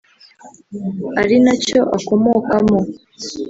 ari nacyo akomokamo